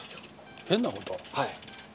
はい。